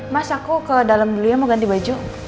mas aku ke dalam dulu ya mau ganti baju